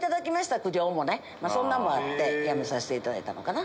そんなんもあってやめさせていただいたのかな。